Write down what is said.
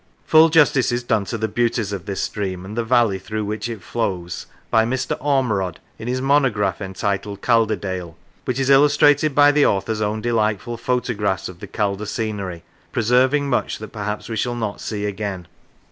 Full justice is done to the beauties of this stream and the valley through which it flows by Mr. Ormerod in his monograph entitled " Calderdale," which is illustrated by the author's own delightful photographs of the Calder scenery, preserving much that perhaps we shall not see again.